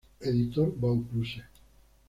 Editor Vaucluse